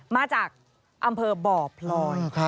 มาจากอำเภอบ่อพลอย